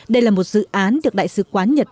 đây là một dự án được đại sứ quán nhật